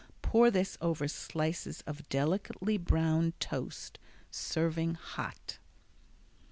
Pour this over slices of delicately browned toast, serving hot.